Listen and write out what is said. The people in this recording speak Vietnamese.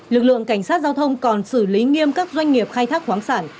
lực lượng cảnh sát giao thông còn xử lý nghiêm các doanh nghiệp khai thác khoáng sản